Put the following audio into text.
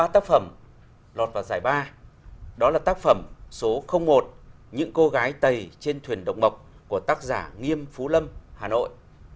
ba tác phẩm lọt vào giải ba đó là tác phẩm số một những cô gái tầy trên thuyền động mộc của tác giả nghiêm phú lâm hà nội